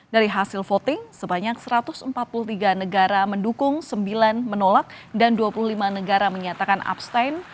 dari hasil voting sebanyak satu ratus empat puluh tiga negara mendukung sembilan menolak dan dua puluh lima negara menyatakan abstain